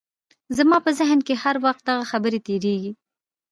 زما په ذهن کې هر وخت دغه خبرې تېرېدې